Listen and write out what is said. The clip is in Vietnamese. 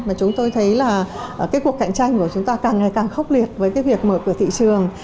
mà chúng tôi thấy cuộc cạnh tranh của chúng ta càng ngày càng khốc liệt với việc mở cửa thị trường